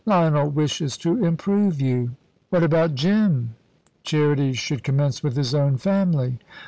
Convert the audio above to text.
"Lionel wishes to improve you." "What about Jim? Charity should commence with his own family."